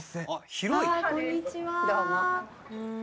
どうも。